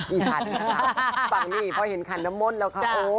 อีฉันนะฟังนี่พอเห็นคันน้ำมนต์แล้วค่ะ